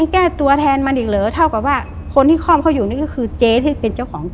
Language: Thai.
แก้ตัวแทนมันอีกเหรอเท่ากับว่าคนที่คล่อมเขาอยู่นี่ก็คือเจ๊ที่เป็นเจ้าของ